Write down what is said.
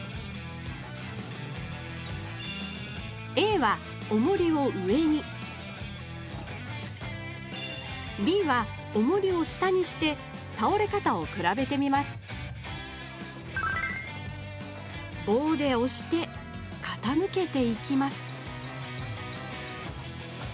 Ａはおもりを上にＢはおもりを下にしてたおれかたをくらべてみますぼうでおしてかたむけていきます